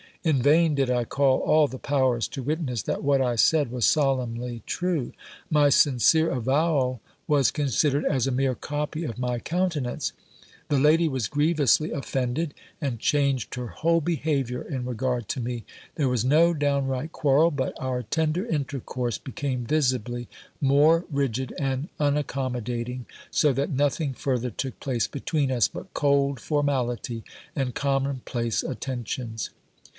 In vain did I call all the powers to witness, that what I said was solemnly true : my sincere avowal was considered as a mere copy of my countenance ; the lady was grievously offended, and changed her whole behaviour in regard to me. There was no downright quarrel ; but our tender intercourse became visibly more rigid and unaccommodating, so that nothing further took place between us but cold formality and common place attentions.